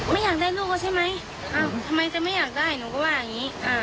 ไม่อยากได้ลูกแล้วใช่ไหมอ้าวทำไมจะไม่อยากได้หนูก็ว่าอย่างนี้